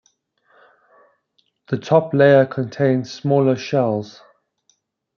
The top layer contains smaller shells.